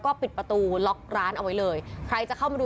คิดว่าเขาน่าจะป่วย